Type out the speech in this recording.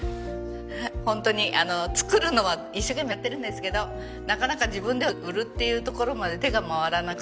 ホントに作るのは一生懸命やってるんですけどなかなか自分では売るっていうところまで手が回らなくて。